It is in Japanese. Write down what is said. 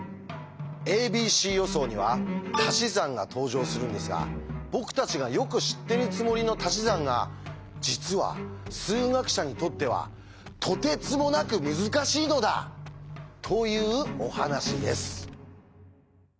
「ａｂｃ予想」にはたし算が登場するんですが僕たちがよく知ってるつもりのたし算が実は数学者にとってはとてつもなく難しいのだ！というお話です。